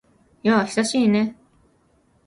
やあ、久しいね。